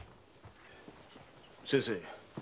先生。